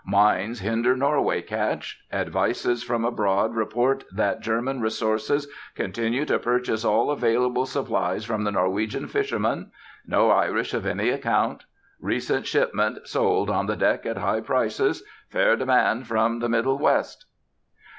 Mines hinder Norway catch. Advices from abroad report that German resources continue to purchase all available supplies from the Norwegian fishermen. No Irish of any account. Recent shipment sold on the deck at high prices. Fair demand from the Middle West."